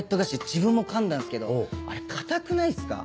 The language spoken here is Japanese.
自分も噛んだんすけどあれ硬くないっすか？